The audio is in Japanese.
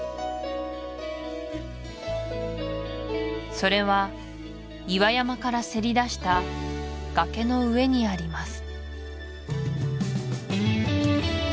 それは岩山からせり出した崖の上にあります